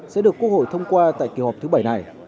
sẽ được quốc hội thông qua tại kỳ họp thứ bảy này